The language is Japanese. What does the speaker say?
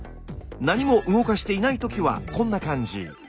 何も動かしていない時はこんな感じ。